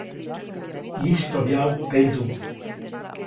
ʼYistyoʼbyaʼuŋ tendsuŋ.